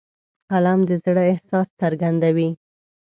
فلم د زړه احساس څرګندوي